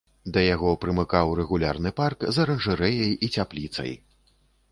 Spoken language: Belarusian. Да яго прымыкаў рэгулярны парк з аранжарэяй і цяпліцай.